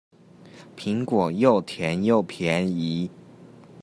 蘋果甜又便宜